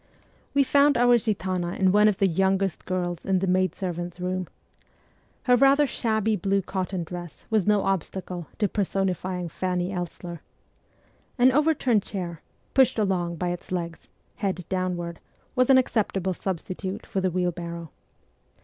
We found our Gitana in one of the youngest girls in the maid servants' room. Her rather shabby blue cotton dress was no obstacle to personifying Fanny Elssler. An overturned chair, pushed along by its legs, head downwards, was an acceptable substitute for the wheelbarrow.